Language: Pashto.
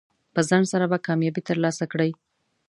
په ځنډ سره به کامیابي ترلاسه کړئ.